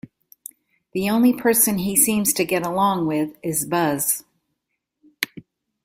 The only person he seems to get along with is Buzz.